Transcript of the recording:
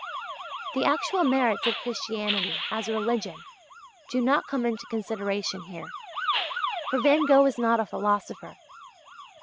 The actual merits of Christianity as a religion do not come into consideration here; for Van Gogh was not a philosopher.